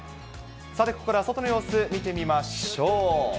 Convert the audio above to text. さて、ここからは外の様子見てみましょう。